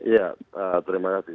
ya terima kasih